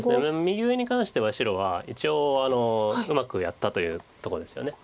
右上に関しては白は一応うまくやったというとこですよね。